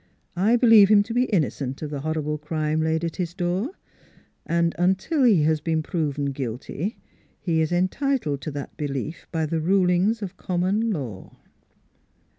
I believe him to be innocent of the horrible crime laid at his door, and until he has been proven guilty he is entitled to that belief by the rulings of common law."